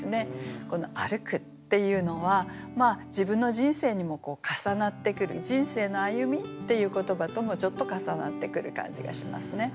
この「歩く」っていうのは自分の人生にも重なってくる人生の歩みっていう言葉ともちょっと重なってくる感じがしますね。